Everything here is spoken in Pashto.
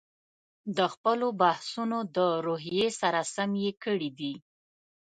د خپلو بحثونو د روحیې سره سم یې کړي دي.